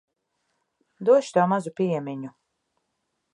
Došu tev mazu piemiņu.